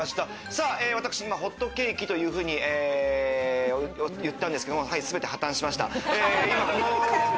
私、今ホットケーキというふうに、おっ、言ったんですけれども、全て破綻しました。